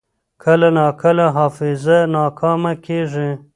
کله ناکله حافظه ناکامه کېږي.